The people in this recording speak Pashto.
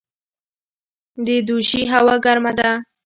د دوشي هوا ګرمه ده